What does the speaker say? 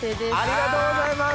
ありがとうございます！